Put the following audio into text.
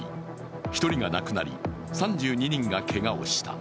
１人が亡くなり３２人がけがをした。